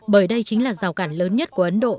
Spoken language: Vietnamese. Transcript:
bởi đây chính là rào cản lớn nhất của ấn độ